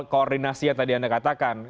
koordinasi yang tadi anda katakan